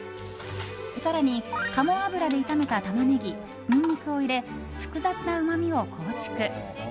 更に、鴨脂で炒めたタマネギニンニクを入れ複雑なうまみを構築。